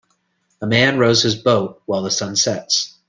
A man rows his boat while the sun sets.